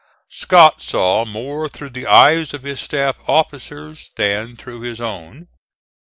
Scott saw more through the eyes of his staff officers than through his own.